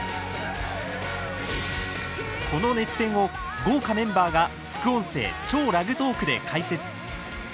この熱戦を豪華メンバーが副音声「＃超ラグトーク」で解説。